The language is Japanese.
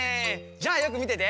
じゃあよくみてて！